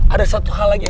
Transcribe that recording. ada satu hal lagi